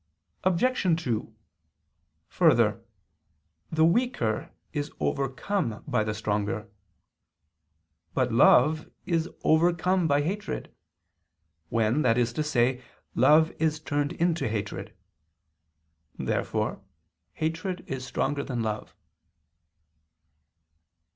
Obj. 2: Further, the weaker is overcome by the stronger. But love is overcome by hatred: when, that is to say, love is turned into hatred. Therefore hatred is stronger than love.